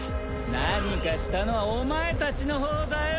何かしたのはお前たちのほうだよ！